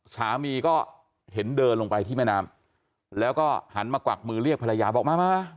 สามีก็เห็นเดินลงไปที่แม่น้ำแล้วก็หันมากวักมือเรียกภรรยาบอกมามา